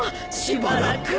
しばらく。